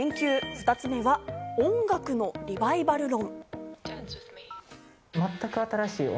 ２つ目は音楽のリバイバル論。